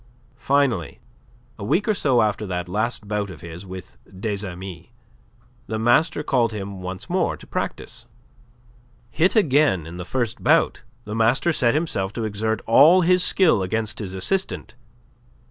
Finally, a week or so after that last bout of his with des Amis, the master called him once more to practice. Hit again in the first bout, the master set himself to exert all his skill against his assistant.